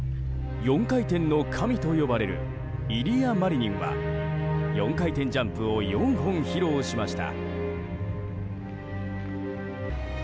４回転の神と呼ばれるイリア・マリニンは４回転ジャンプを４本披露しました。